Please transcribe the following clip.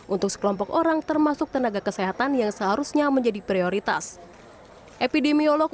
untuk sekelompok orang termasuk tenaga kesehatan yang seharusnya menjadi prioritas epidemiolog